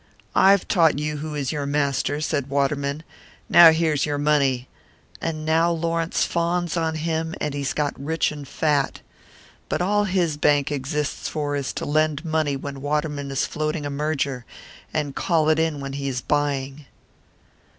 'I've taught you who is your master,' said Waterman. 'Now here's your money.' And now Lawrence fawns on him, and he's got rich and fat. But all his bank exists for is to lend money when Waterman is floating a merger, and call it in when he is buying."